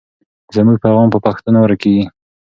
زموږ پیغام په پښتو نه ورکېږي.